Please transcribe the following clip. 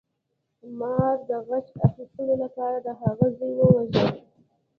مار د غچ اخیستلو لپاره د هغه زوی وواژه.